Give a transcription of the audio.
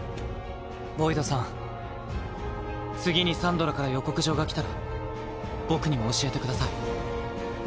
ボイドさん次にサンドラから予告状が来たら僕にも教えてください。